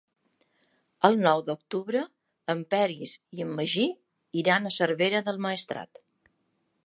El nou d'octubre en Peris i en Magí iran a Cervera del Maestrat.